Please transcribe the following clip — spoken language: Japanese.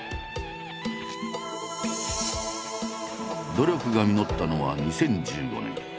努力が実ったのは２０１５年。